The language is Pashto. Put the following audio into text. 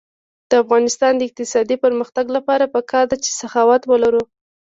د افغانستان د اقتصادي پرمختګ لپاره پکار ده چې سخاوت ولرو.